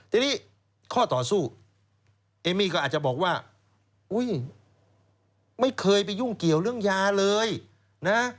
ทีนี้ข้อต่อสู้เอมมี่ก็อาจจะบอกว่าอุ้ยไม่เคยไปยุ่งเกี่ยวเรื่องยาเลยนะ